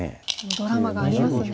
ドラマがありますね。